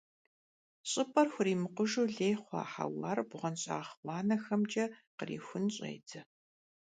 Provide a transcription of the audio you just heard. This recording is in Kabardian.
ЩIыпIэр хуримыкъужу лей хъуа хьэуар бгъуэнщIагъ гъуанэхэмкIэ кърихун щIедзэ.